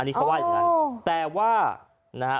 อันนี้เขาว่าอย่างนั้น